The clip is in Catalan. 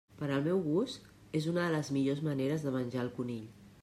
Per al meu gust, és una de les millors maneres de menjar el conill.